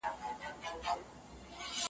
حرص او تمي وو تر دامه راوستلی `